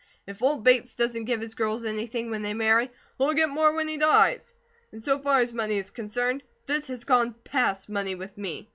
If old Bates doesn't give his girls anything when they marry, they'll get more when he dies. And so far as money is concerned, this has gone PAST money with me.